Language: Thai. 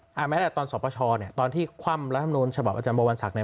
เราจะเห็นเลยว่าอ่าแม้ตอนสภชเนี่ยตอนที่คว่ำและทำนวณฉบาลอาจารย์โบวัณฑ์ศักดิ์ใน